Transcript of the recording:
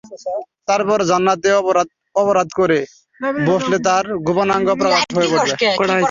তারপর জান্নাতে অপরাধ করে বসলে তার গোপনাঙ্গ প্রকাশ হয়ে পড়ে।